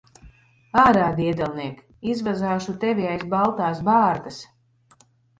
Ārā, diedelniek! Izvazāšu tevi aiz baltās bārdas.